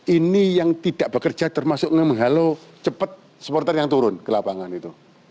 ini yang tidak bekerja termasuk menghalau cepat supporter yang turun ke lapangan itu